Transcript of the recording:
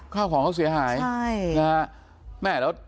ข้าวของเขาเสียหายใช่นะฮะ